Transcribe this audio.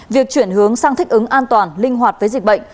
việc chuyển hướng sang thích ứng an toàn linh hoạt với dịch bệnh